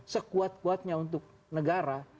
sekuat kuatnya untuk negara